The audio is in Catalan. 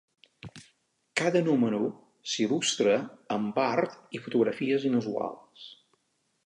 Cada número s'il·lustra amb art i fotografies inusuals.